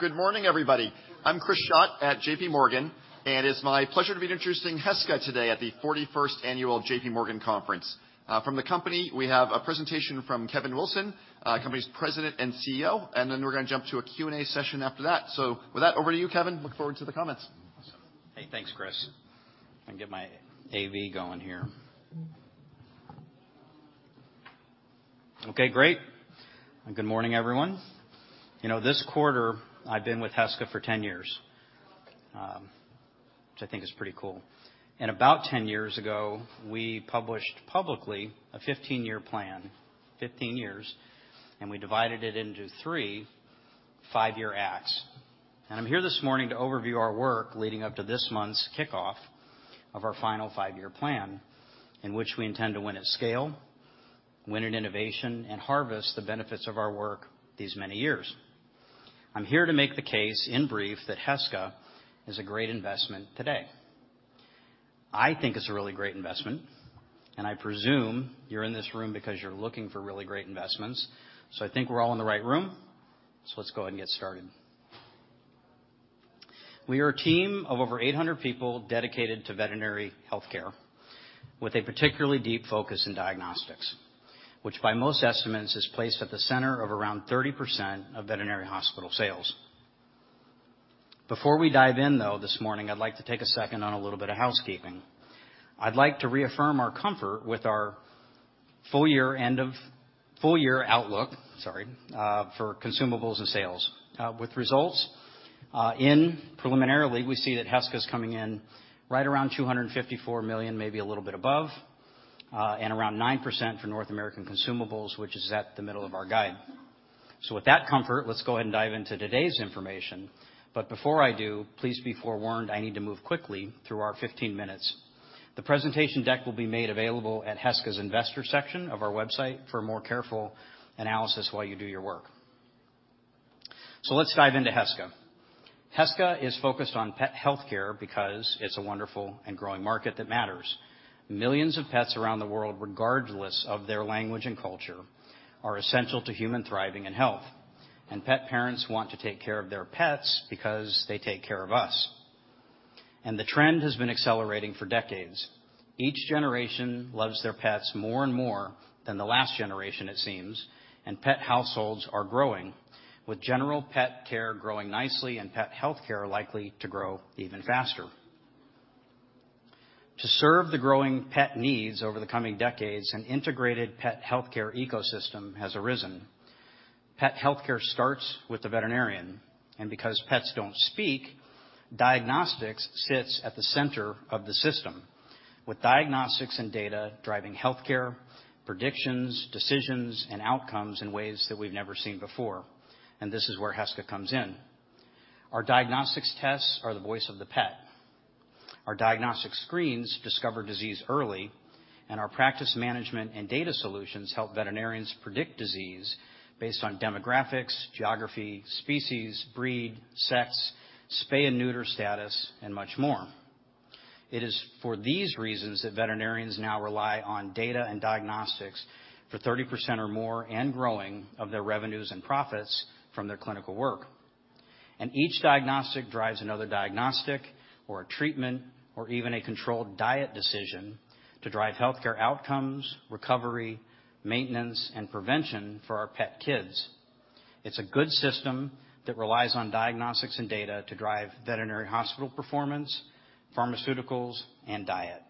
Good morning, everybody. I'm Chris Schott at JP Morgan, and it's my pleasure to be introducing Heska today at the 41st annual JP Morgan Conference. From the company, we have a presentation from Kevin Wilson, company's President and CEO, and then we're gonna jump to a Q&A session after that. With that, over to you, Kevin. Look forward to the comments. Awesome. Hey, thanks, Chris. Let me get my AV going here. Okay, great. Good morning, everyone. You know, this quarter, I've been with Heska for 10 years, which I think is pretty cool. About 10 years ago, we published publicly a 15-year plan. 15 years, and we divided it into three five-year Acts. I'm here this morning to overview our work leading up to this month's kickoff of our final five-year plan, in which we intend to win at scale, win in innovation, and harvest the benefits of our work these many years. I'm here to make the case, in brief, that Heska is a great investment today. I think it's a really great investment, and I presume you're in this room because you're looking for really great investments. I think we're all in the right room, so let's go ahead and get started. We are a team of over 800 people dedicated to veterinary healthcare with a particularly deep focus in diagnostics, which by most estimates is placed at the center of around 30% of veterinary hospital sales. Before we dive in, though, this morning, I'd like to take a second on a little bit of housekeeping. I'd like to reaffirm our comfort with our full year outlook, sorry, for consumables and sales. With results, in preliminarily, we see that Heska's coming in right around $254 million, maybe a little bit above, and around 9% for North American consumables, which is at the middle of our guide. With that comfort, let's go ahead and dive into today's information. Before I do, please be forewarned, I need to move quickly through our 15 minutes. The presentation deck will be made available at Heska's investor section of our website for a more careful analysis while you do your work. Let's dive into Heska. Heska is focused on pet healthcare because it's a wonderful and growing market that matters. Millions of pets around the world, regardless of their language and culture, are essential to human thriving and health. Pet parents want to take care of their pets because they take care of us. The trend has been accelerating for decades. Each generation loves their pets more and more than the last generation it seems, and pet households are growing, with general pet care growing nicely and pet healthcare likely to grow even faster. To serve the growing pet needs over the coming decades, an integrated pet healthcare ecosystem has arisen. Pet healthcare starts with the veterinarian. Because pets don't speak, diagnostics sits at the center of the system, with diagnostics and data driving healthcare, predictions, decisions, and outcomes in ways that we've never seen before. This is where Heska comes in. Our diagnostics tests are the voice of the pet. Our diagnostic screens discover disease early, and our practice management and data solutions help veterinarians predict disease based on demographics, geography, species, breed, sex, spay and neuter status, and much more. It is for these reasons that veterinarians now rely on data and diagnostics for 30% or more and growing of their revenues and profits from their clinical work. Each diagnostic drives another diagnostic or a treatment or even a controlled diet decision to drive healthcare outcomes, recovery, maintenance, and prevention for our pet kids. It's a good system that relies on diagnostics and data to drive veterinary hospital performance, pharmaceuticals, and diet.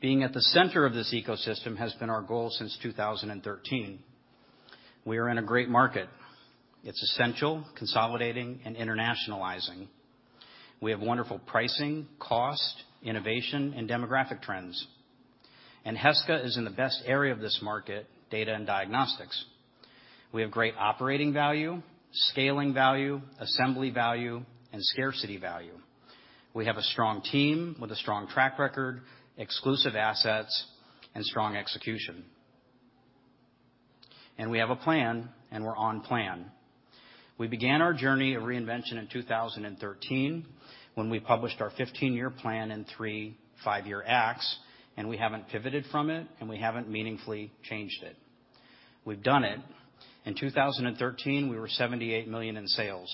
Being at the center of this ecosystem has been our goal since 2013. We are in a great market. It's essential, consolidating, and internationalizing. We have wonderful pricing, cost, innovation, and demographic trends. Heska is in the best area of this market, data and diagnostics. We have great operating value, scaling value, assembly value, and scarcity value. We have a strong team with a strong track record, exclusive assets, and strong execution. We have a plan, and we're on plan. We began our journey of reinvention in 2013 when we published our 15-year plan in 3 five-year Acts, and we haven't pivoted from it, and we haven't meaningfully changed it. We've done it. In 2013, we were $78 million in sales.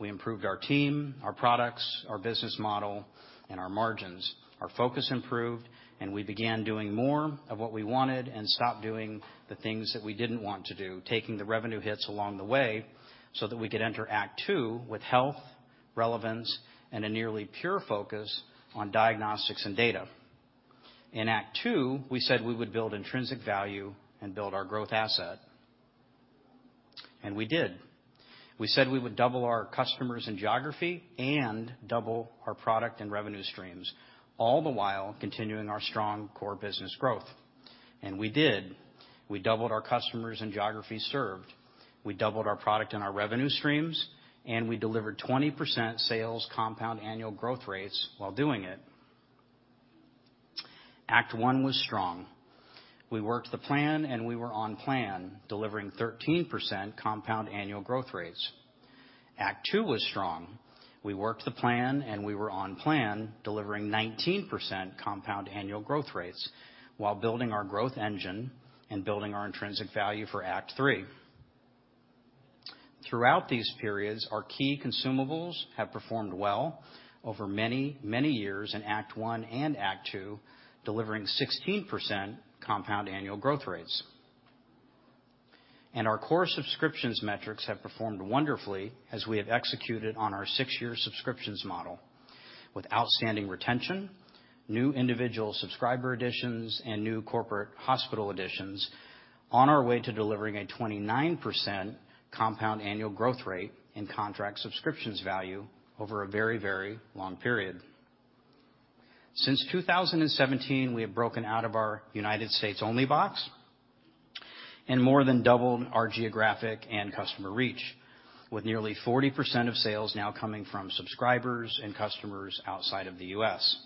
We improved our team, our products, our business model, and our margins. Our focus improved, and we began doing more of what we wanted and stopped doing the things that we didn't want to do, taking the revenue hits along the way so that we could enter Act Two with health, relevance, and a nearly pure focus on diagnostics and data. In Act Two, we said we would build intrinsic value and build our growth asset, and we did. We said we would double our customers and geography and double our product and revenue streams, all the while continuing our strong core business growth. We did. We doubled our customers and geographies served, we doubled our product and our revenue streams, and we delivered 20% sales compound annual growth rates while doing it. Act One was strong. We worked the plan, we were on plan, delivering 13% compound annual growth rates. Act Two was strong. We worked the plan and we were on plan, delivering 19% compound annual growth rates while building our growth engine and building our intrinsic value for Act Three. Throughout these periods, our key consumables have performed well over many years in Act One and Act Two, delivering 16% compound annual growth rates. Our core subscriptions metrics have performed wonderfully as we have executed on our six-year subscriptions model with outstanding retention, new individual subscriber additions, and new corporate hospital additions on our way to delivering a 29% compound annual growth rate in contract subscriptions value over a very long period. Since 2017, we have broken out of our United States only box and more than doubled our geographic and customer reach, with nearly 40% of sales now coming from subscribers and customers outside of the U.S.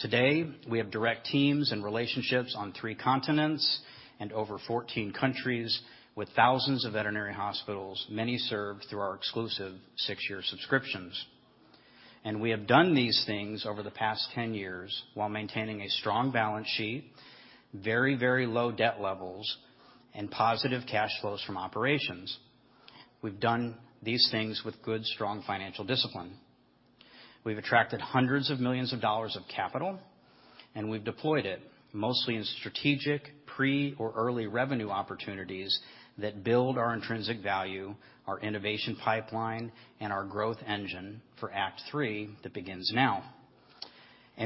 Today, we have direct teams and relationships on three continents and over 14 countries with thousands of veterinary hospitals, many served through our exclusive six-year subscriptions. We have done these things over the past 10 years while maintaining a strong balance sheet, very, very low debt levels, and positive cash flows from operations. We've done these things with good, strong financial discipline. We've attracted $hundreds of millions of capital, and we've deployed it mostly in strategic, pre or early revenue opportunities that build our intrinsic value, our innovation pipeline, and our growth engine for Act Three that begins now.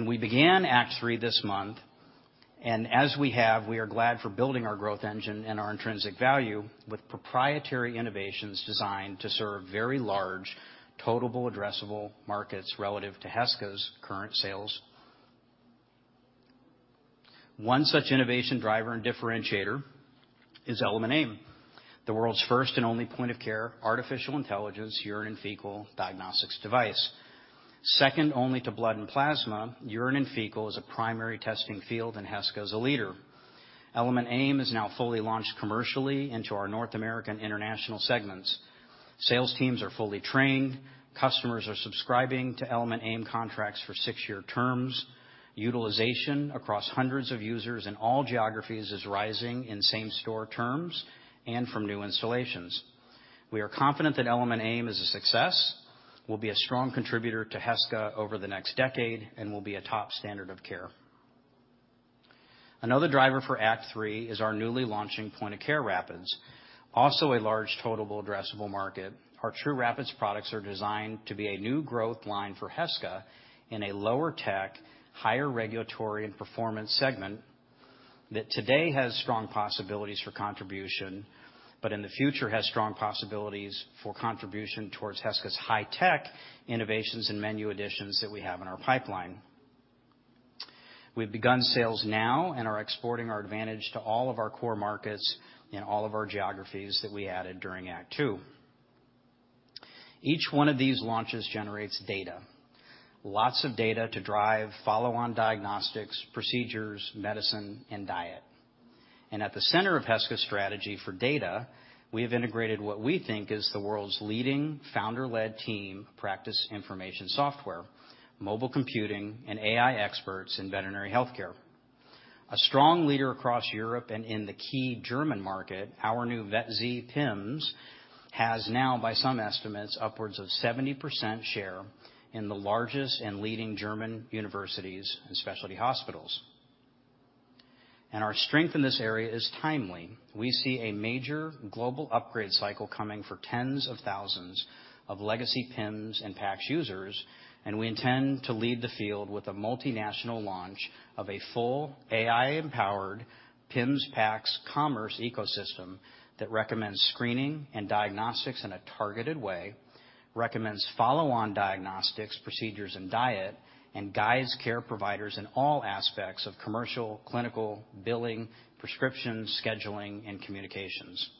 We began Act Three this month. As we have, we are glad for building our growth engine and our intrinsic value with proprietary innovations designed to serve very large total addressable markets relative to Heska's current sales. One such innovation driver and differentiator is Element AIM, the world's first and only point-of-care artificial intelligence urine and fecal diagnostics device. Second only to blood and plasma, urine and fecal is a primary testing field, and Heska is a leader. Element AIM is now fully launched commercially into our North American international segments. Sales teams are fully trained. Customers are subscribing to Element AIM contracts for six-year terms. Utilization across hundreds of users in all geographies is rising in same-store terms and from new installations. We are confident that Element AIM is a success, will be a strong contributor to Heska over the next decade, and will be a top standard of care. Another driver for Act Three is our newly launching point-of-care Rapids. A large total addressable market. Our TruRapids products are designed to be a new growth line for Heska in a lower tech, higher regulatory and performance segment that today has strong possibilities for contribution, but in the future has strong possibilities for contribution towards Heska's high-tech innovations and menu additions that we have in our pipeline. We've begun sales now and are exporting our advantage to all of our core markets in all of our geographies that we added during Act two. Each one of these launches generates data, lots of data to drive follow-on diagnostics, procedures, medicine, and diet. At the center of Heska's strategy for data, we have integrated what we think is the world's leading founder-led team practice information software, mobile computing, and AI experts in veterinary health care. A strong leader across Europe and in the key German market, our new VetZ PIMS has now, by some estimates, upwards of 70% share in the largest and leading German universities and specialty hospitals. Our strength in this area is timely. We see a major global upgrade cycle coming for tens of thousands of legacy PIMS and PACS users. We intend to lead the field with a multinational launch of a full AI-empowered PIMS, PACS commerce ecosystem that recommends screening and diagnostics in a targeted way, recommends follow-on diagnostics, procedures, and diet, and guides care providers in all aspects of commercial, clinical, billing, prescriptions, scheduling, and communications.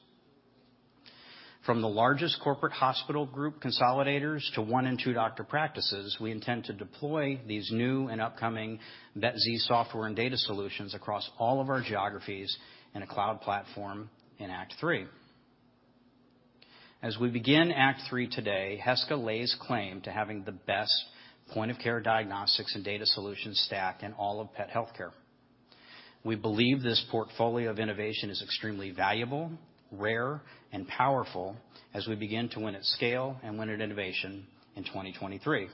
From the largest corporate hospital group consolidators to one and two doctor practices, we intend to deploy these new and upcoming VetZ software and data solutions across all of our geographies in a cloud platform in Act Three. As we begin Act Three today, Heska lays claim to having the best point-of-care diagnostics and data solution stack in all of pet healthcare. We believe this portfolio of innovation is extremely valuable, rare, and powerful as we begin to win at scale and win at innovation in 2023.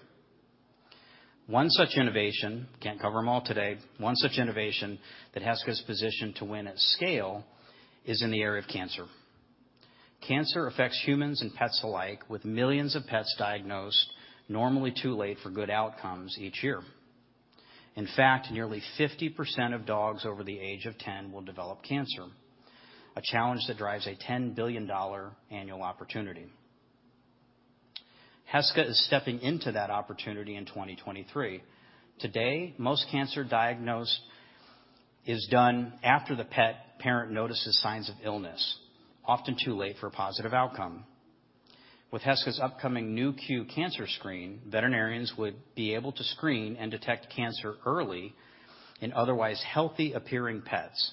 One such innovation, can't cover them all today. One such innovation that Heska's positioned to win at scale is in the area of cancer. Cancer affects humans and pets alike, with millions of pets diagnosed normally too late for good outcomes each year. In fact, nearly 50% of dogs over the age of 10 will develop cancer, a challenge that drives a $10 billion annual opportunity. Heska is stepping into that opportunity in 2023. Today, most cancer diagnosed is done after the pet parent notices signs of illness, often too late for a positive outcome. With Heska's upcoming Nu.Q cancer screen, veterinarians would be able to screen and detect cancer early in otherwise healthy appearing pets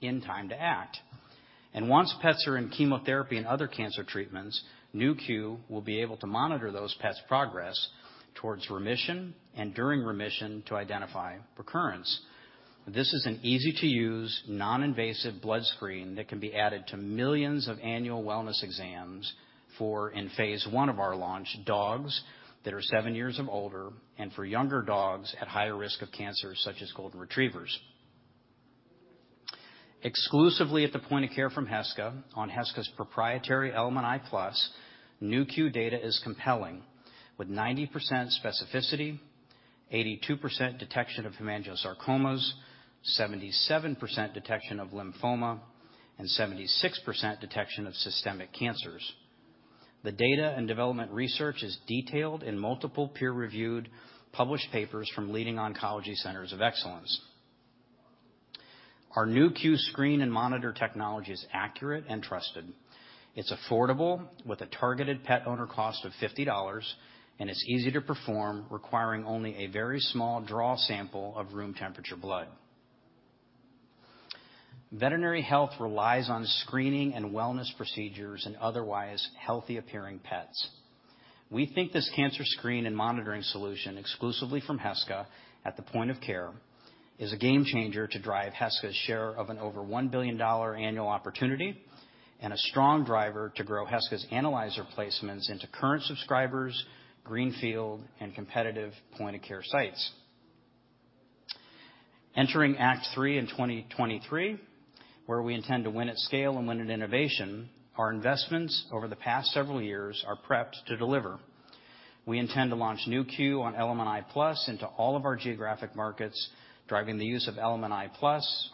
in time to act. Once pets are in chemotherapy and other cancer treatments, Nu.Q will be able to monitor those pets' progress towards remission and during remission to identify recurrence. This is an easy-to-use, non-invasive blood screen that can be added to millions of annual wellness exams for, in phase one of our launch, dogs that are seven years and older, and for younger dogs at higher risk of cancer, such as golden retrievers. Exclusively at the point of care from Heska on Heska's proprietary Element i+, Nu.Q data is compelling with 90% specificity, 82% detection of hemangiosarcomas, 77% detection of lymphoma, and 76% detection of systemic cancers. The data and development research is detailed in multiple peer-reviewed published papers from leading oncology centers of excellence. Our Nu.Q screen and monitor technology is accurate and trusted. It's affordable with a targeted pet owner cost of $50, and it's easy to perform, requiring only a very small draw sample of room temperature blood. Veterinary health relies on screening and wellness procedures in otherwise healthy appearing pets. We think this cancer screen and monitoring solution, exclusively from Heska at the point of care, is a game changer to drive Heska's share of an over $1 billion annual opportunity and a strong driver to grow Heska's analyzer placements into current subscribers, greenfield, and competitive point-of-care sites. Entering Act Three in 2023, where we intend to win at scale and win at innovation, our investments over the past several years are prepped to deliver. We intend to launch Nu.Q on Element i+ into all of our geographic markets, driving the use of Element i+,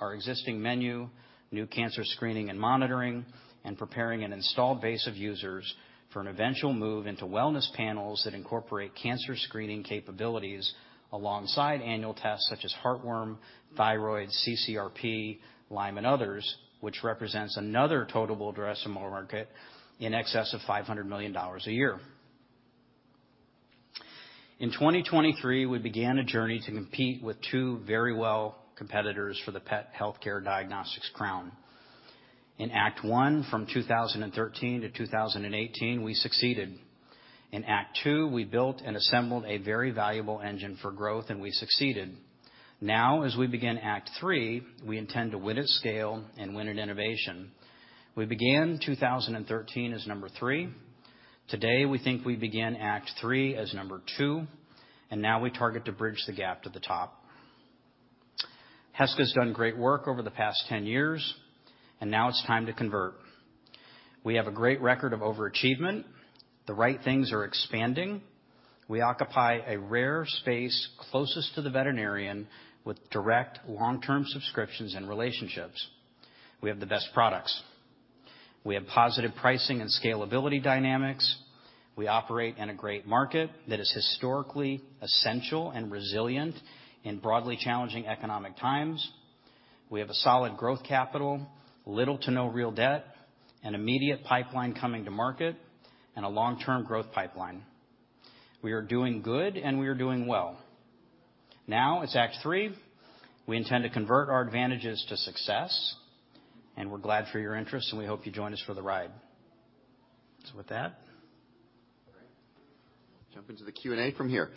our existing menu, new cancer screening and monitoring, and preparing an installed base of users for an eventual move into wellness panels that incorporate cancer screening capabilities alongside annual tests such as heartworm, thyroid, cCRP, Lyme, and others, which represents another total addressable market in excess of $500 million a year. In 2023, we began a journey to compete with two very well competitors for the pet healthcare diagnostics crown. In Act One, from 2013 to 2018, we succeeded. In Act Two, we built and assembled a very valuable engine for growth, and we succeeded. Now, as we begin Act Three, we intend to win at scale and win at innovation. We began 2013 as number three. Today, we think we begin Act Three as number two, and now we target to bridge the gap to the top. Heska's done great work over the past 10 years, and now it's time to convert. We have a great record of overachievement. The right things are expanding. We occupy a rare space closest to the veterinarian with direct long-term subscriptions and relationships. We have the best products. We have positive pricing and scalability dynamics. We operate in a great market that is historically essential and resilient in broadly challenging economic times. We have a solid growth capital, little to no real debt, an immediate pipeline coming to market, and a long-term growth pipeline. We are doing good, and we are doing well. Now it's Act Three. We intend to convert our advantages to success, and we're glad for your interest, and we hope you join us for the ride. With that. Great. Jump into the Q&A from here.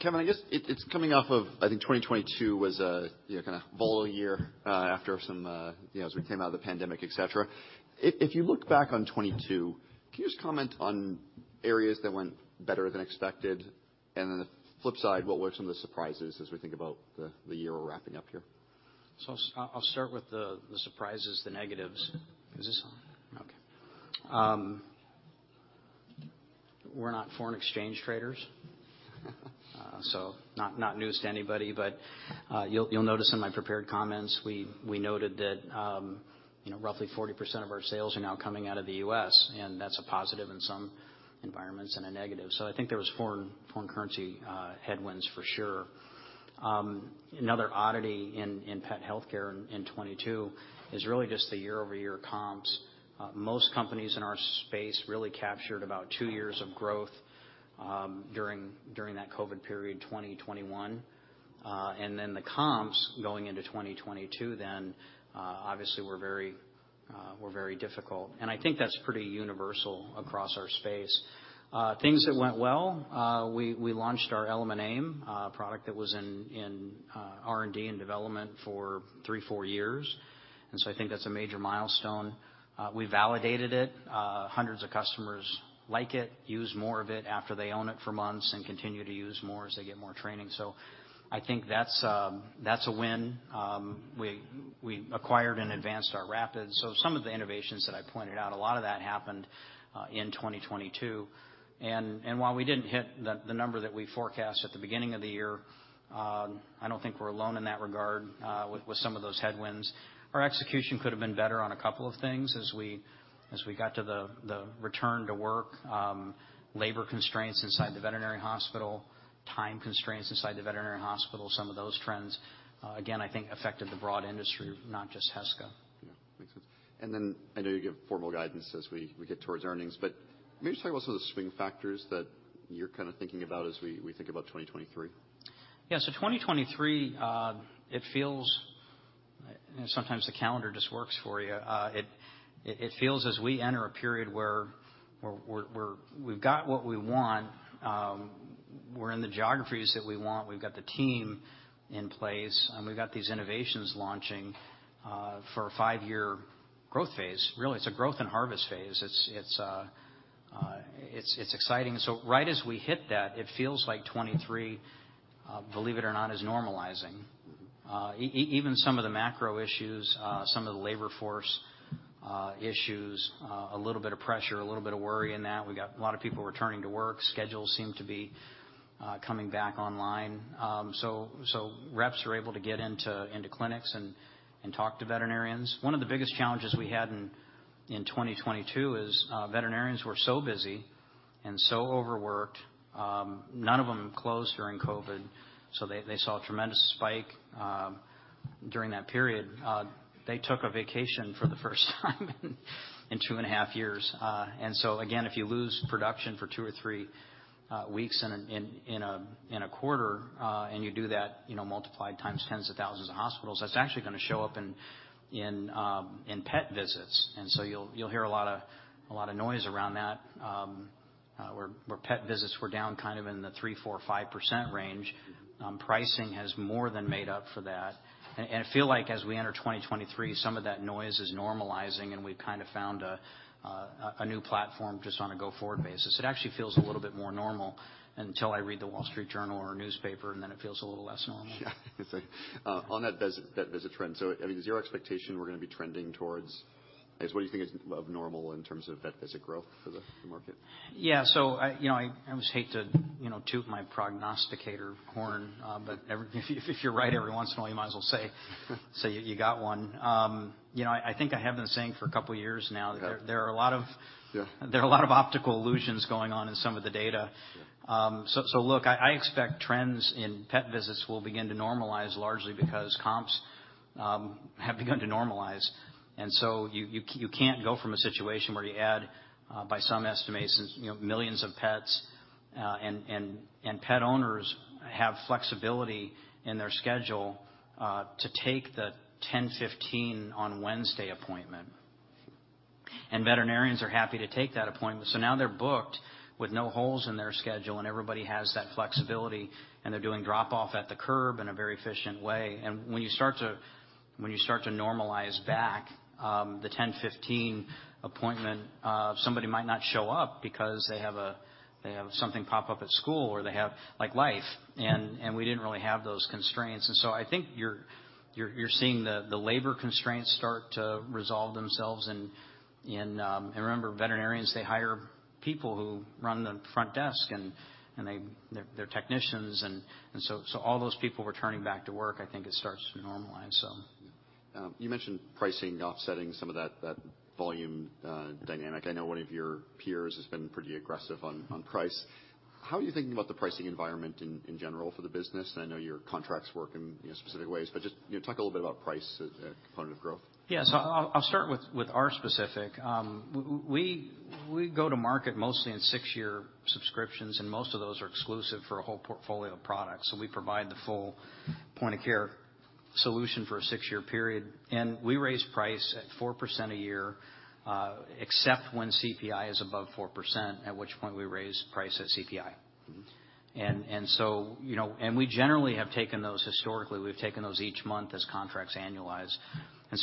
Kevin, I guess it's coming off of, I think 2022 was a, you know, kind of volatile year, after some, you know, as we came out of the pandemic, et cetera. If, if you look back on 2022, can you just comment on areas that went better than expected? The flip side, what were some of the surprises as we think about the year we're wrapping up here? I'll start with the surprises, the negatives. Is this on? Okay. We're not foreign exchange traders. Not news to anybody, but you'll notice in my prepared comments, we noted that, you know, roughly 40% of our sales are now coming out of the U.S., and that's a positive in some environments and a negative. I think there was foreign currency headwinds for sure. Another oddity in pet healthcare in 2022 is really just the year-over-year comps. Most companies in our space really captured about two years of growth during that COVID period, 2021. The comps going into 2022 then, obviously were very difficult. I think that's pretty universal across our space. Things that went well, we launched our Element AIM, a product that was in R&D and development for three, four years. I think that's a major milestone. We validated it. Hundreds of customers like it, use more of it after they own it for months and continue to use more as they get more training. I think that's a win. We acquired and advanced our Rapid. Some of the innovations that I pointed out, a lot of that happened in 2022. While we didn't hit the number that we forecast at the beginning of the year, I don't think we're alone in that regard, with some of those headwinds. Our execution could have been better on a couple of things as we got to the return to work, labor constraints inside the veterinary hospital, time constraints inside the veterinary hospital. Some of those trends, again, I think affected the broad industry, not just Heska. Yeah. Makes sense. Then I know you give formal guidance as we get towards earnings, maybe just talk about some of the swing factors that you're kind of thinking about as we think about 2023. 2023, it feels. Sometimes the calendar just works for you. It feels as we enter a period where we've got what we want, we're in the geographies that we want, we've got the team in place, and we've got these innovations launching for a five year growth phase. Really, it's a growth and harvest phase. It's exciting. Right as we hit that, it feels like 23, believe it or not, is normalizing. Mm-hmm. Even some of the macro issues, some of the labor force issues, a little bit of pressure, a little bit of worry in that. We got a lot of people returning to work. Schedules seem to be coming back online. So, reps are able to get into clinics and talk to veterinarians. One of the biggest challenges we had in 2022 is veterinarians were so busy and so overworked. None of them closed during COVID, so they saw a tremendous spike during that period. They took a vacation for the first time in 2 and a half years. Again, if you lose production for two or three weeks in a quarter, and you do that, you know, multiplied times tens of thousands of hospitals, that's actually gonna show up in pet visits. You'll hear a lot of noise around that, where pet visits were down kind of in the 3%, 4%, 5% range. Pricing has more than made up for that. I feel like as we enter 2023, some of that noise is normalizing, and we've kind of found a new platform just on a go-forward basis. It actually feels a little bit more normal until I read The Wall Street Journal or a newspaper, and then it feels a little less normal. Yeah. It's like, on that visit trend, I mean, is your expectation we're gonna be trending towards... Is what you think is normal in terms of vet visit growth for the market? Yeah. I, you know, I always hate to, you know, toot my prognosticator horn. If you're right every once in a while, you might as well say you got one. You know, I think I have been saying for a couple years now- Yeah ...that there are. Yeah ...there are a lot of optical illusions going on in some of the data. Yeah. Look, I expect trends in pet visits will begin to normalize largely because comps have begun to normalize. You can't go from a situation where you add, by some estimations, you know, millions of pets, and pet owners have flexibility in their schedule to take the 10:15 on Wednesday appointment. Veterinarians are happy to take that appointment. Now they're booked with no holes in their schedule. Everybody has that flexibility. They're doing drop-off at the curb in a very efficient way. When you start to normalize back, the 10:15 appointment, somebody might not show up because they have something pop up at school, or they have, like, life. We didn't really have those constraints. I think you're seeing the labor constraints start to resolve themselves. Remember, veterinarians, they hire people who run the front desk, and their technicians. So all those people returning back to work, I think it starts to normalize so. You mentioned pricing offsetting some of that volume dynamic. I know one of your peers has been pretty aggressive on price. How are you thinking about the pricing environment in general for the business? I know your contracts work in, you know, specific ways, just, you know, talk a little bit about price as a component of growth. Yeah. I'll start with our specific. We go to market mostly in six year subscriptions, and most of those are exclusive for a whole portfolio of products. We provide the full point-of-care solution for a six year period. We raise price at 4% a year, except when CPI is above 4%, at which point we raise price at CPI. Mm-hmm. you know. We generally have taken those historically. We've taken those each month as contracts annualize.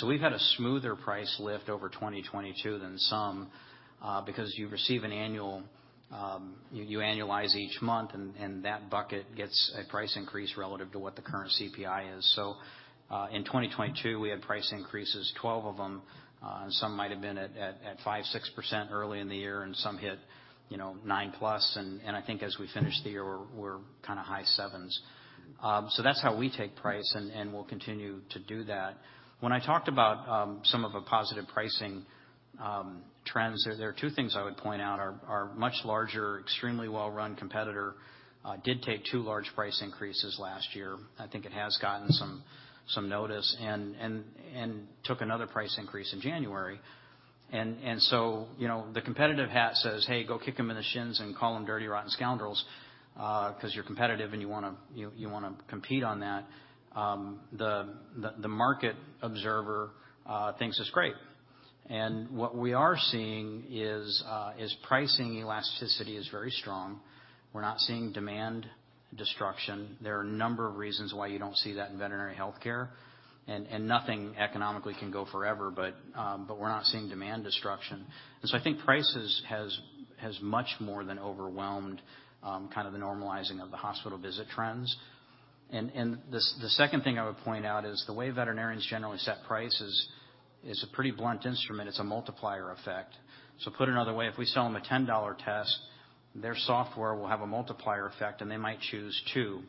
We've had a smoother price lift over 2022 than some, because you receive an annual. You annualize each month, and that bucket gets a price increase relative to what the current CPI is. In 2022, we had price increases, 12 of them. Some might have been at 5%-6% early in the year, and some hit, you know, 9+. I think as we finish the year, we're kind of high 7s. That's how we take price, and we'll continue to do that. When I talked about some of the positive pricing trends, there are two things I would point out. Our much larger, extremely well-run competitor did take two large price increases last year. I think it has gotten some notice and took another price increase in January. So, you know, the competitive hat says, "Hey, go kick them in the shins and call them dirty, rotten scoundrels," 'cause you're competitive and you wanna compete on that. The market observer thinks it's great. What we are seeing is pricing elasticity is very strong. We're not seeing demand destruction. There are a number of reasons why you don't see that in veterinary healthcare. Nothing economically can go forever, but we're not seeing demand destruction. So I think prices has much more than overwhelmed kind of the normalizing of the hospital visit trends. The second thing I would point out is the way veterinarians generally set prices is a pretty blunt instrument. It's a multiplier effect. Put another way, if we sell them a $10 test, their software will have a multiplier effect, and they might choose 2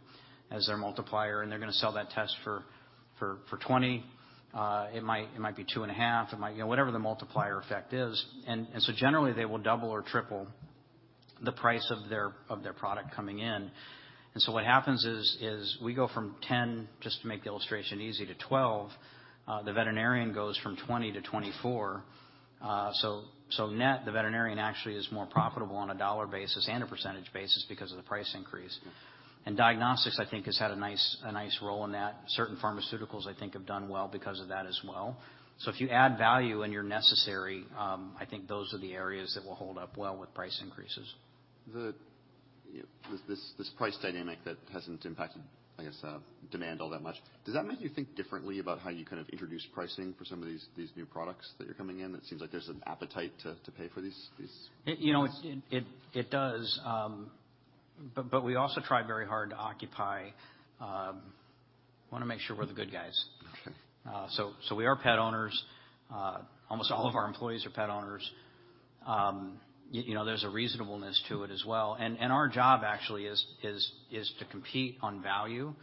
as their multiplier, and they're gonna sell that test for $20. It might be 2.5. You know, whatever the multiplier effect is. Generally, they will double or triple the price of their product coming in. What happens is, we go from $10, just to make the illustration easy, to $12. The veterinarian goes from $20-$24. Net, the veterinarian actually is more profitable on a dollar basis and a percentage basis because of the price increase. Mm-hmm. Diagnostics, I think, has had a nice role in that. Certain pharmaceuticals I think have done well because of that as well. If you add value and you're necessary, I think those are the areas that will hold up well with price increases. The, you know, this price dynamic that hasn't impacted, I guess, demand all that much, does that make you think differently about how you kind of introduce pricing for some of these new products that are coming in? It seems like there's an appetite to pay for these. You know, it does. We also try very hard to occupy. Wanna make sure we're the good guys. Okay. We are pet owners. Almost all of our employees are pet owners. You know, there's a reasonableness to it as well. Our job actually is to compete on value,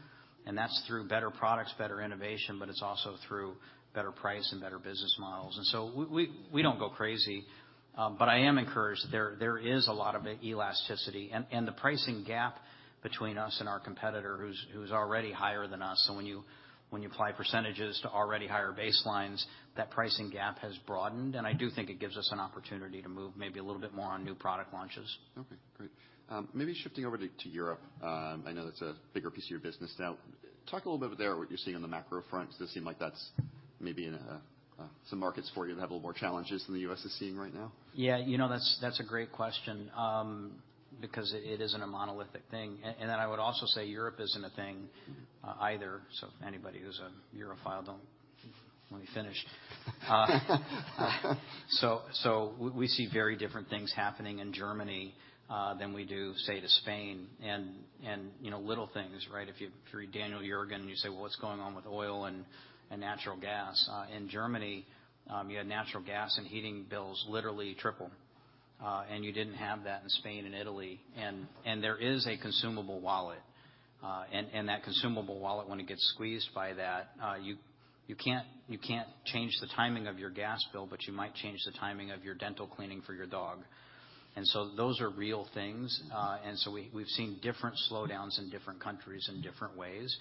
and that's through better products, better innovation, but it's also through better price and better business models. We don't go crazy. I am encouraged. There is a lot of elasticity and the pricing gap between us and our competitor who's already higher than us. When you apply percentages to already higher baselines, that pricing gap has broadened, and I do think it gives us an opportunity to move maybe a little bit more on new product launches. Okay, great. maybe shifting over to Europe. I know that's a bigger piece of your business now. Talk a little bit there what you're seeing on the macro front. Does it seem like that's maybe in some markets for you have a little more challenges than the U.S. is seeing right now? Yeah, you know, that's a great question, because it isn't a monolithic thing. I would also say Europe isn't a thing either. Anybody who's a Europhile, don't... Let me finish. We see very different things happening in Germany than we do, say, to Spain and, you know, little things, right? If you read Daniel Yergin and you say, "Well, what's going on with oil and natural gas?" In Germany, you had natural gas and heating bills literally triple. You didn't have that in Spain and Italy. There is a consumable wallet. That consumable wallet, when it gets squeezed by that, you can't change the timing of your gas bill, but you might change the timing of your dental cleaning for your dog. Those are real things. Mm-hmm. We've seen different slowdowns in different countries in different ways.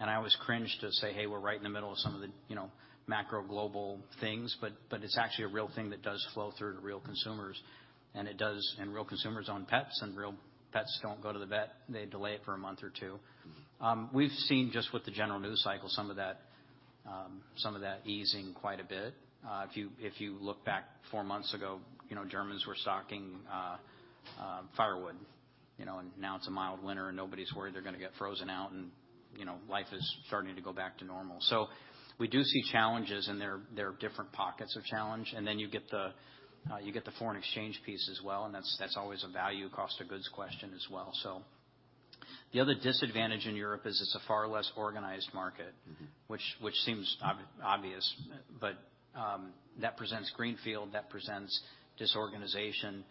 I always cringe to say, "Hey, we're right in the middle of some of the, you know, macro global things," but it's actually a real thing that does flow through to real consumers, and it does. Real consumers own pets, and real pets don't go to the vet. They delay it for a month or two. Mm-hmm. We've seen just with the general news cycle, some of that easing quite a bit. If you look back four months ago, you know, Germans were stocking, firewood, you know. Now it's a mild winter, and nobody's worried they're gonna get frozen out and, you know, life is starting to go back to normal. We do see challenges, and there are different pockets of challenge. Then you get the foreign exchange piece as well, and that's always a value cost of goods question as well, so. The other disadvantage in Europe is it's a far less organized market. Mm-hmm. Which seems obvious. That presents greenfield, that presents disorganization.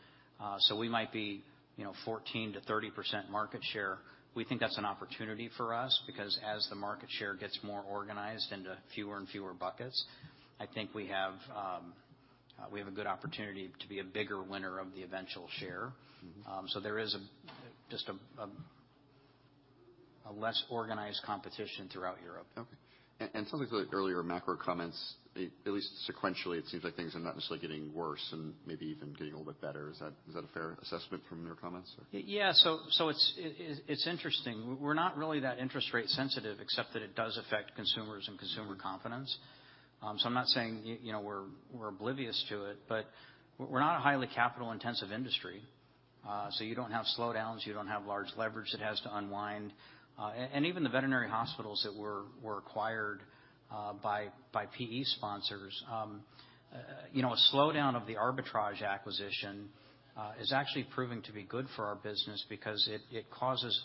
We might be, you know, 14%-30% market share. We think that's an opportunity for us because as the market share gets more organized into fewer and fewer buckets, I think we have a good opportunity to be a bigger winner of the eventual share. Mm-hmm. There is just a less organized competition throughout Europe. Okay. Some of the earlier macro comments, at least sequentially, it seems like things are not necessarily getting worse and maybe even getting a little bit better. Is that, is that a fair assessment from your comments or? Yeah, it's interesting. We're not really that interest rate sensitive, except that it does affect consumers and consumer confidence. I'm not saying, you know, we're oblivious to it, but we're not a highly capital intensive industry. You don't have slowdowns, you don't have large leverage that has to unwind. Even the veterinary hospitals that were acquired, by PE sponsors, you know, a slowdown of the arbitrage acquisition, is actually proving to be good for our business because it causes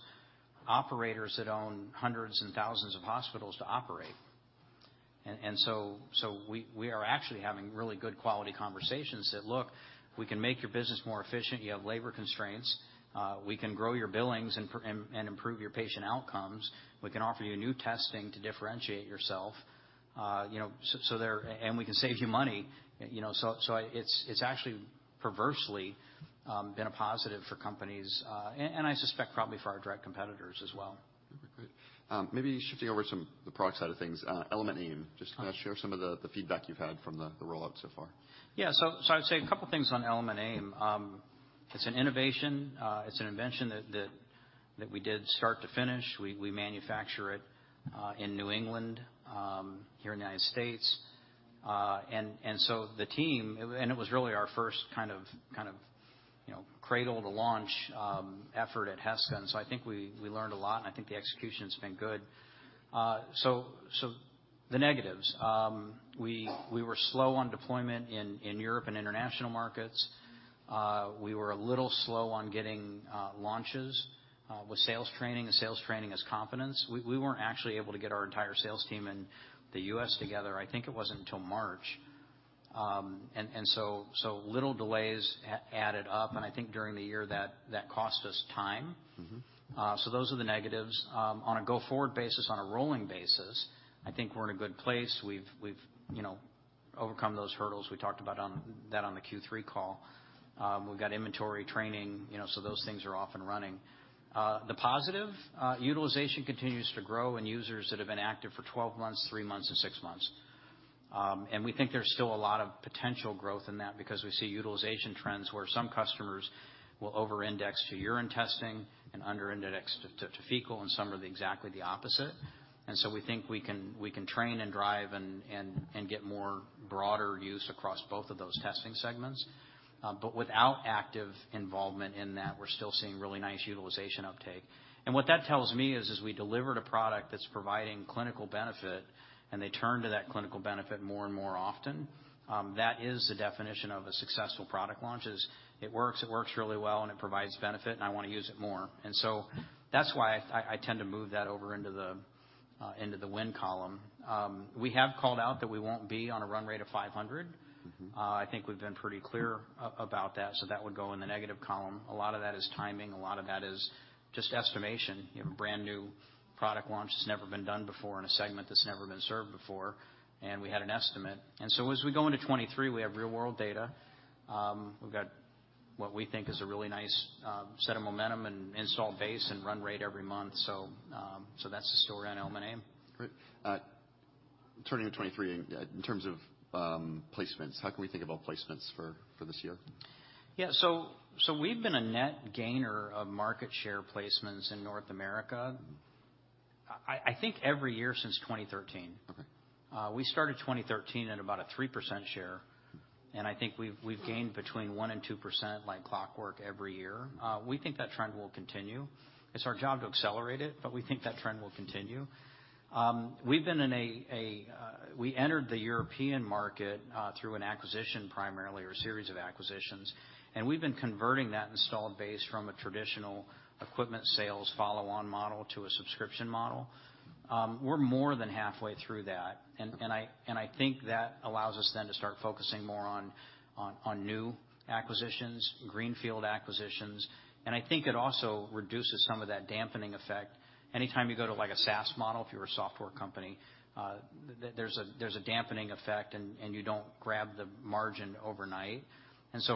operators that own hundreds and thousands of hospitals to operate. We are actually having really good quality conversations that, "Look, we can make your business more efficient. You have labor constraints. We can grow your billings and improve your patient outcomes. We can offer you new testing to differentiate yourself. You know, we can save you money." You know, it's actually perversely been a positive for companies, I suspect probably for our direct competitors as well. Okay, great. Maybe shifting over to some, the product side of things, Element AIM. Just kinda share some of the feedback you've had from the rollout so far. Yeah. I would say a couple things on Element AIM. It's an innovation. It's an invention that we did start to finish. We manufacture it in New England, here in the United States. The team... It was really our first kind of, you know, cradle to launch effort at Heska. I think we learned a lot, and I think the execution's been good. The negatives. We were slow on deployment in Europe and international markets. We were a little slow on getting launches with sales training, and sales training is confidence. We weren't actually able to get our entire sales team in the U.S. together, I think it wasn't until March. Little delays added up, and I think during the year that cost us time. Mm-hmm. Those are the negatives. On a go-forward basis, on a rolling basis, I think we're in a good place. We've, you know, overcome those hurdles we talked about on that on the Q3 call. We've got inventory training, you know, so those things are off and running. The positive utilization continues to grow in users that have been active for 12 months, three months and six months. We think there's still a lot of potential growth in that because we see utilization trends where some customers will over-index to urine testing and under-index to fecal, and some are the exactly the opposite. We think we can train and drive and get more broader use across both of those testing segments. Without active involvement in that, we're still seeing really nice utilization uptake. What that tells me is we delivered a product that's providing clinical benefit, and they turn to that clinical benefit more and more often. That is the definition of a successful product launch, is it works, it works really well, and it provides benefit, and I wanna use it more. That's why I tend to move that over into the win column. We have called out that we won't be on a run rate of 500. Mm-hmm. I think we've been pretty clear about that. That would go in the negative column. A lot of that is timing. A lot of that is just estimation. You have a brand-new product launch that's never been done before in a segment that's never been served before, and we had an estimate. As we go into 2023, we have real-world data. We've got what we think is a really nice set of momentum and install base and run rate every month. That's the story on Element AIM. Great. Turning to 2023 in terms of placements, how can we think about placements for this year? Yeah. We've been a net gainer of market share placements in North America- Mm-hmm I think every year since 2013. Okay. We started 2013 at about a 3% share, I think we've gained between 1%-2% like clockwork every year. We think that trend will continue. It's our job to accelerate it, we think that trend will continue. We entered the European market through an acquisition primarily, or a series of acquisitions, and we've been converting that installed base from a traditional equipment sales follow-on model to a subscription model. We're more than halfway through that, and I think that allows us then to start focusing more on new acquisitions, greenfield acquisitions. I think it also reduces some of that dampening effect. Anytime you go to like a SaaS model, if you're a software company, there's a dampening effect, and you don't grab the margin overnight.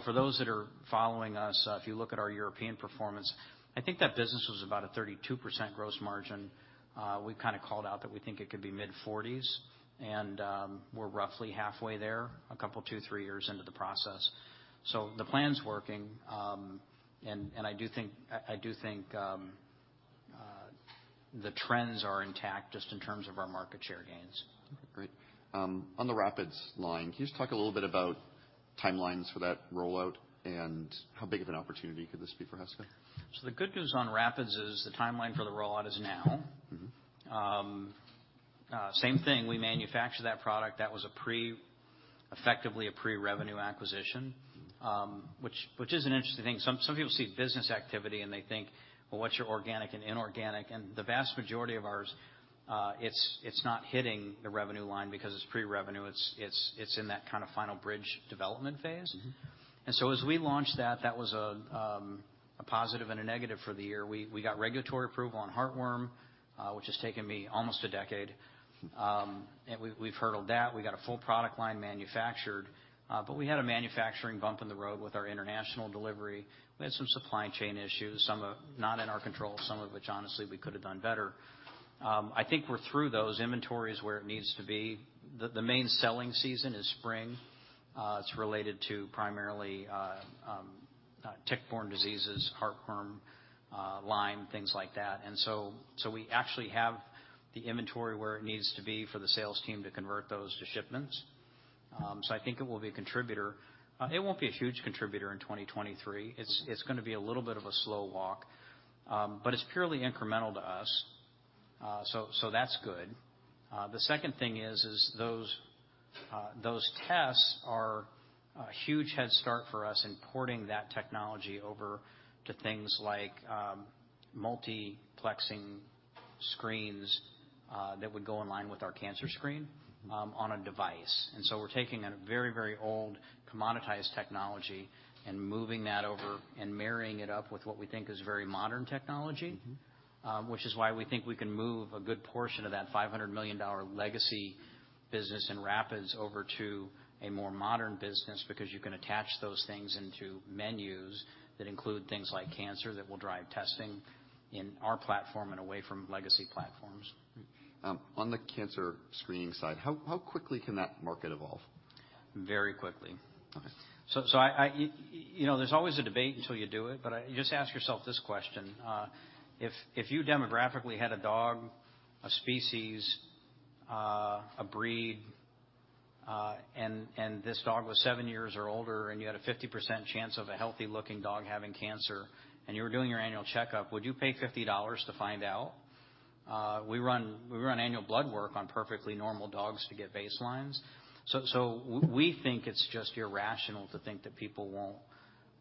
For those that are following us, if you look at our European performance, I think that business was about a 32% gross margin. We've kinda called out that we think it could be mid 40s, and we're roughly halfway there, a couple, two, three years into the process. The plan's working, and I do think the trends are intact just in terms of our market share gains. Great. On the Rapids line, can you just talk a little bit about timelines for that rollout and how big of an opportunity could this be for Heska? The good news on Rapids is the timeline for the rollout is now. Mm-hmm. Same thing, we manufacture that product. That was effectively a pre-revenue acquisition. which is an interesting thing. Some people see business activity and they think, "Well, what's your organic and inorganic?" The vast majority of ours, it's not hitting the revenue line because it's pre-revenue. It's in that kind of final bridge development phase. Mm-hmm. As we launched that was a positive and a negative for the year. We got regulatory approval on heartworm, which has taken me almost a decade. We've hurdled that. We got a full product line manufactured, but we had a manufacturing bump in the road with our international delivery. We had some supply chain issues, some not in our control, some of which honestly we could have done better. I think we're through those. Inventory is where it needs to be. The main selling season is spring. It's related to primarily tick-borne diseases, heartworm, Lyme, things like that. We actually have the inventory where it needs to be for the sales team to convert those to shipments. I think it will be a contributor. It won't be a huge contributor in 2023. It's gonna be a little bit of a slow walk, but it's purely incremental to us. That's good. The second thing is those tests are a huge head start for us in porting that technology over to things like multiplexing screens that would go in line with our cancer screen on a device. We're taking a very old commoditized technology and moving that over and marrying it up with what we think is very modern technology. Mm-hmm. Which is why we think we can move a good portion of that $500 million legacy business in Rapids over to a more modern business, because you can attach those things into menus that include things like cancer that will drive testing in our platform and away from legacy platforms. On the cancer screening side, how quickly can that market evolve? Very quickly. Okay. You know, there's always a debate until you do it, but you just ask yourself this question, if you demographically had a dog, a species, a breed, and this dog was seven years or older and you had a 50% chance of a healthy-looking dog having cancer and you were doing your annual checkup, would you pay $50 to find out? We run annual blood work on perfectly normal dogs to get baselines. We think it's just irrational to think that people won't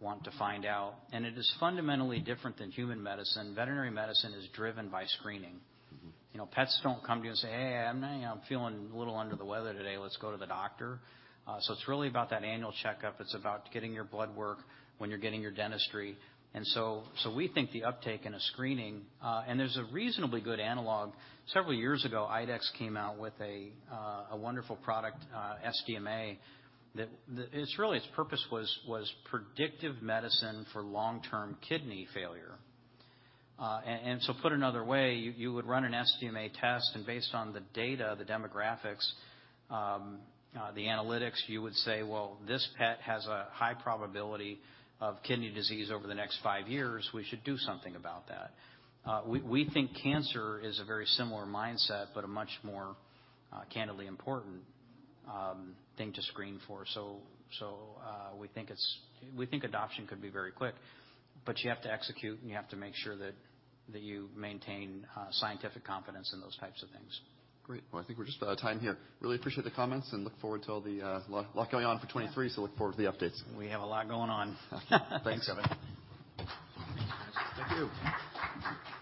want to find out. It is fundamentally different than human medicine. Veterinary medicine is driven by screening. Mm-hmm. You know, pets don't come to you and say, "Hey, I'm feeling a little under the weather today. Let's go to the doctor." So it's really about that annual checkup. It's about getting your blood work when you're getting your dentistry. So we think the uptake in a screening, and there's a reasonably good analog. Several years ago, IDEXX came out with a wonderful product, SDMA, that really its purpose was predictive medicine for long-term kidney failure. So put another way, you would run an SDMA test, and based on the data, the demographics, the analytics, you would say, "Well, this pet has a high probability of kidney disease over the next five years. We should do something about that." We think cancer is a very similar mindset but a much more, candidly important, thing to screen for. We think adoption could be very quick, but you have to execute, and you have to make sure that you maintain, scientific confidence in those types of things. Great. Well, I think we're just about out of time here. Really appreciate the comments, and look forward to all the lot going on for 2023. Yeah. Look forward to the updates. We have a lot going on. Thanks, Kevin. Thank you.